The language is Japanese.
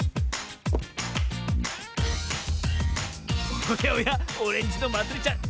おやおやオレンジのまつりちゃん